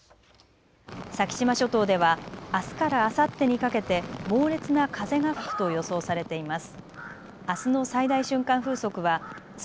先島諸島ではあすからあさってにかけて猛烈な風が吹くと予想されています。